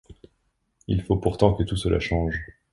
Il faut pourtant que tout cela change.